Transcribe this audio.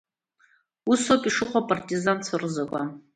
Усоуп ишыҟоу апартизанцәа рзакәан!